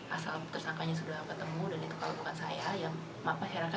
asal tersangkanya sudah ketemu dan itu kalau bukan saya ya maaf maaf heran kan juga bisa tahu kan